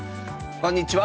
こんにちは。